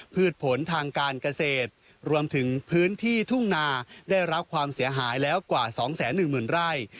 พืชผลทางการเกษตรรวมถึงพื้นที่ทุ่งนาได้รับความเสียหายแล้วกว่าสองแสนหนึ่งหมื่นไร่